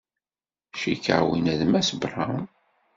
Cikkeɣ winna d Mass Brown.